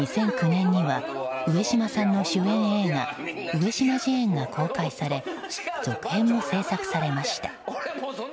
２００９年には上島さんの主演映画「上島ジェーン」が公開され続編も制作されました。